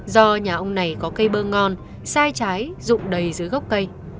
do nhà ông này có cây bơ ngon sai trái rụng đầy dưới gốc cây